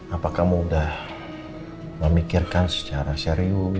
apa kamu udah memikirkan secara serius